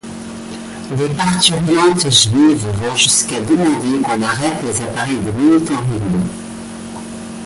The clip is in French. Des parturientes juives vont jusqu'à demander qu'on arrête les appareils de monitoring.